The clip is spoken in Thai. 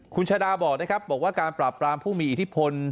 คุณชาดาบอกนะครับบอกว่าการปราบปรามผู้มีอิทธิพล